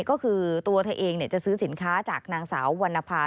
ก็คือตัวเธอเองจะซื้อสินค้าจากนางสาววรรณภา